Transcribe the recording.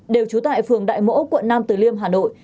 đều trú tại phường đại mỗ quận nam từ liêm hà nội